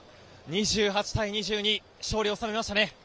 ２８対２２、勝利を収めましたね。